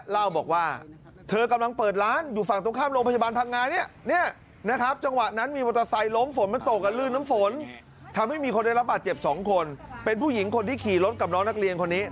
เล่าบอกว่าเธอกำลังเปิดร้านอยู่ฝั่งตรงข้ามโรงพยาบาลพังงานี่